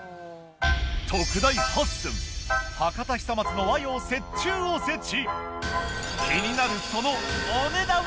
特大８寸博多久松の和洋折衷おせち。